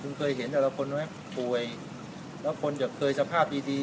คุณเคยเห็นแต่ละคนไหมป่วยแล้วคนจะเคยสภาพดีดี